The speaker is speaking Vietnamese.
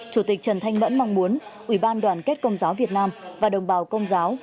chủ tịch trần thanh mẫn mong muốn ủy ban đoàn kết công giáo việt nam và đồng bào công giáo